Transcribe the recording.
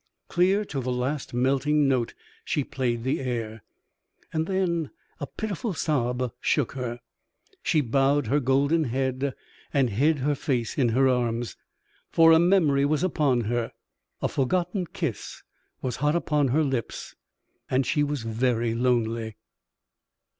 Clear to the last melting note she played the air, and then a pitiful sob shook her. She bowed her golden head and hid her face in her arms, for a memory was upon her, a forgotten kiss was hot upon her lips, and she was very lonely.